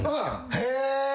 へぇ！